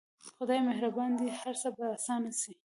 خداى مهربان دى هر څه به اسانه سي.